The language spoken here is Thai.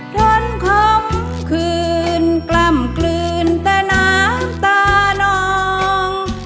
ทนคมคืนกล้ำกลืนแต่น้ำตาน้อง